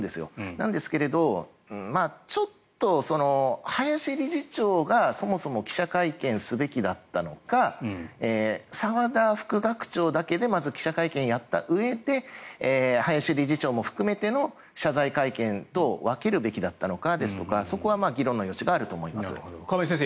なんですが、ちょっと林理事長がそもそも記者会見すべきだったのか澤田副学長だけでまず記者会見やったうえで林理事長も含めての謝罪会見と分けるべきだったのかとかそこは議論の余地があると思います。